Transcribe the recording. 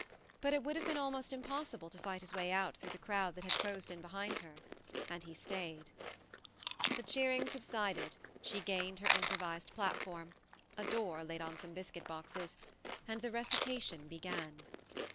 But it would have been almost impossible to fight his way out through the crowd that had closed in behind her and he stayed. The cheering subsided, she gained her improvised platform a door laid on. some biscuit boxes and the recita tion began.